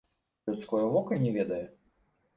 Людское вока не ведае?